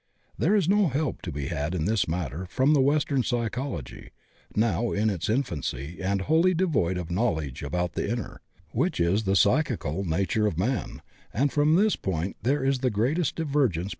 There is no help to be had in this matter from the western psychology, now in its infancy and wholly devoid of knowledge about the inner, which is the psychical, nature of man, and from this point there is the greatest divergence between it and Theosophy.